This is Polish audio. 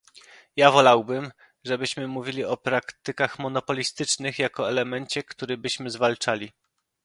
Ja wolałbym, żebyśmy mówili o praktykach monopolistycznych jako elemencie, który byśmy zwalczali